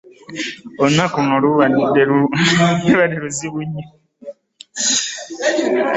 Olunaku luno lubadde luzibu nnyo.